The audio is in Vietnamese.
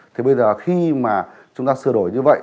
thì bây giờ khi mà chúng ta sửa đổi như vậy